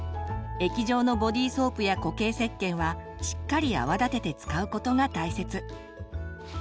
液状のボディソープや固形せっけんはしっかり泡立てて使うことが大切。